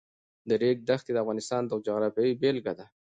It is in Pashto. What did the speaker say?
د ریګ دښتې د افغانستان د جغرافیې بېلګه ده.